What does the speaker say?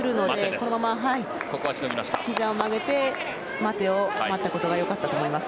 このままひざを曲げて待てを待ったことがよかったと思います。